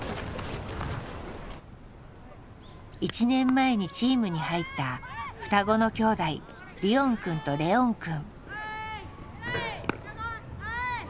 １年前にチームに入った双子の兄弟リオンくんとレオンくん。